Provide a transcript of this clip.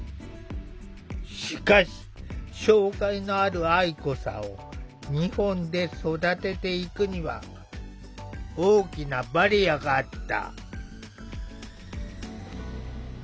しかし障害のある愛子さんを日本で育てていくには大きなバリアがあった。